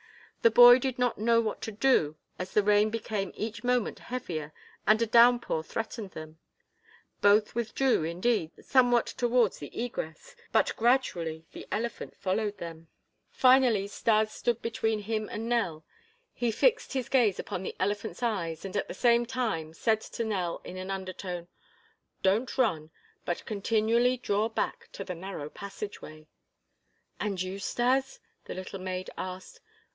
The boy did not know what to do as the rain became each moment heavier and a downpour threatened them. Both withdrew, indeed, somewhat towards the egress, but gradually, and the elephant followed them. Finally Stas stood between him and Nell. He fixed his gaze upon the elephant's eyes and at the same time said to Nell in an undertone: "Don't run, but continually draw back to the narrow passageway." "And you, Stas?" the little maid asked.